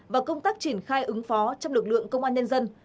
và công tác triển khai ứng phó trong lực lượng công an nhân dân